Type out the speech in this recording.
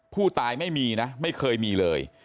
ผู้ตายไม่มีนะไม่เคยมีเลย